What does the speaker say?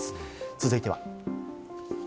続いては。